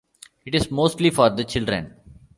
Its mostly for the children.